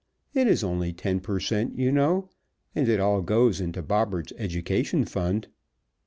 It is only ten per cent., you know, and it all goes into Bobberts' education fund."